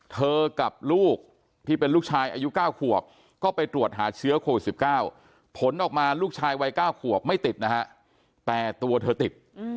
กับลูกที่เป็นลูกชายอายุ๙ขวบก็ไปตรวจหาเชื้อโควิด๑๙ผลออกมาลูกชายวัย๙ขวบไม่ติดนะฮะแต่ตัวเธอติด